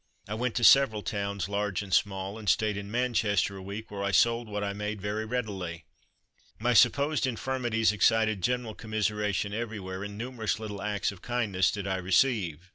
I went to several towns, large and small, and stayed in Manchester a week, where I sold what I made very readily. My supposed infirmities excited general commiseration everywhere, and numerous little acts of kindness did I receive.